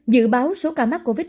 dự báo số ca mắc covid một mươi chín